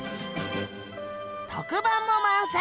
特番も満載！